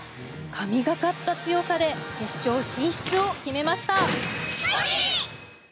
神懸かった強さで決勝進出を決めました。